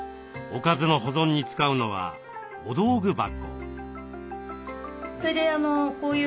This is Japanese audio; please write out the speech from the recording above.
おかずの保存に使うのはお道具箱。